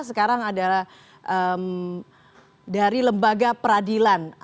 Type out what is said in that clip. sekarang adalah dari lembaga peradilan